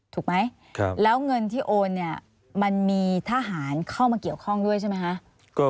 ถูกไหมแล้วเงินที่โอนเนี่ยมันมีทหารเข้ามาเกี่ยวข้องด้วยใช่ไหมคะ